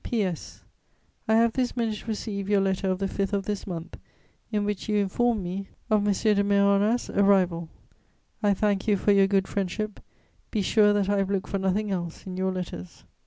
"P.S. I have this minute received your letter of the 5th of this month, in which you inform me of M. de Mérona's arrival. I thank you for your good friendship; be sure that I have looked for nothing else in your letters.